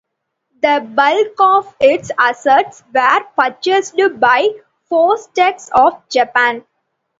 The bulk of its assets were purchased by Fostex of Japan.